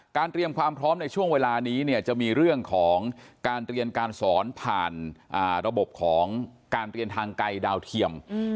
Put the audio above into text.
เตรียมความพร้อมในช่วงเวลานี้เนี่ยจะมีเรื่องของการเรียนการสอนผ่านระบบของการเรียนทางไกลดาวเทียม